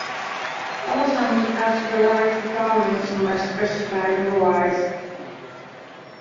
All songs are part of the live performance unless specified otherwise.